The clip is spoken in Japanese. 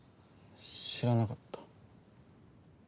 知らなかった。